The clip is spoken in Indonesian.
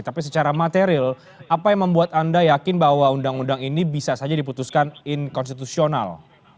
tapi secara material apa yang membuat anda yakin bahwa undang undang ini bisa saja diputuskan inkonstitusional